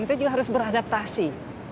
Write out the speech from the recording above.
kita juga harus beradaptasi